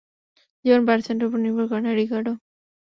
জীবন পার্সেন্টের উপর নির্ভর করে না, রিকার্ডো।